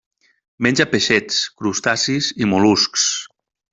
Menja peixets, crustacis i mol·luscs.